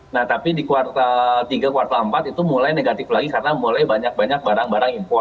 nah tapi di kuartal tiga kuartal empat itu mulai negatif lagi karena mulai banyak banyak barang barang impor